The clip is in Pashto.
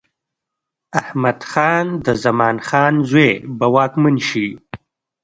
احمد خان د زمان خان زوی به واکمن شي.